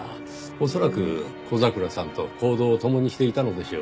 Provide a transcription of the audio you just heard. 恐らく小桜さんと行動を共にしていたのでしょう。